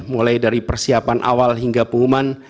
mulai dari persiapan awal hingga pengumuman